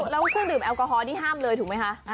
แล้วพวกดื่มแอลกอฮอล์นี่ห้ามเลยถูกไหมคะ